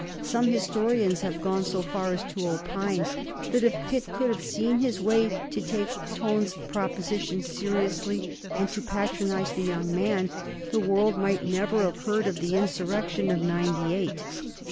Some historians have gone so far as to opine that if Pitt could have seen his way to take Tone's proposition seriously, and to patronize the young man, the world might never have heard of the insurrection of "Ninety Eight."